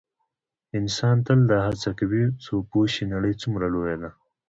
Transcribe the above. انسان تل دا هڅه کړې څو پوه شي نړۍ څومره لویه ده.